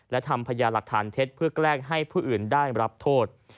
และทำพญาหลักฐานเท็จเพื่อแกล้งให้ผู้อื่นได้รับโทษ